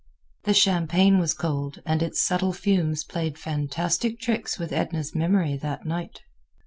The champagne was cold, and its subtle fumes played fantastic tricks with Edna's memory that night.